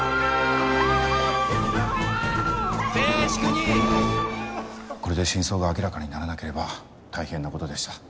静粛にこれで真相が明らかにならなければ大変なことでした